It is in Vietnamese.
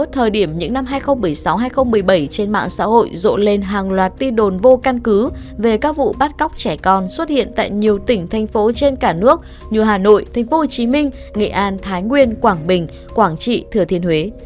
trẻ con xuất hiện tại nhiều tỉnh thành phố trên cả nước như hà nội tp hcm nghệ an thái nguyên quảng bình quảng trị thừa thiên huế